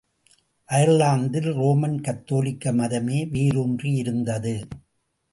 அயர்லாந்தில் Roman கத்தோலிக்க மதமே வேரூன்றி இருந்தது.